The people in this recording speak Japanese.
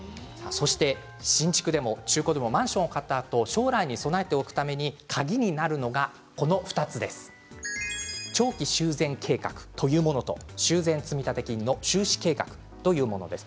新築でも中古でもマンションを買ったあと将来に備えていくために鍵になるのがこの２つ長期修繕計画というものと修繕積立金の収支計画というものです。